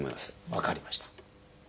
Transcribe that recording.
分かりました。